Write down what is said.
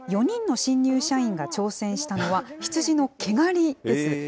４人の新入社員が挑戦したのは、ヒツジの毛刈りです。